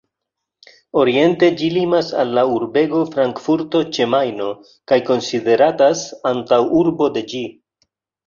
Oriente ĝi limas al la urbego Frankfurto ĉe Majno, kaj konsideratas antaŭurbo de ĝi.